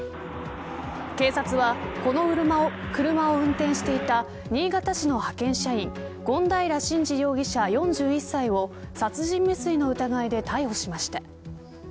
警察は、この車を運転していた新潟市の派遣社員権平慎次容疑者、４１歳を殺人未遂の疑いで逮捕しました。